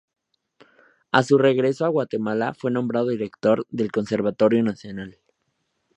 A su regreso a Guatemala fue nombrado director del Conservatorio Nacional.